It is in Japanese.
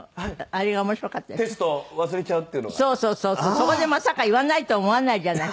そこでまさか言わないと思わないじゃない。